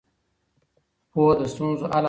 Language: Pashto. پوهه د ستونزو حل اسانه کوي.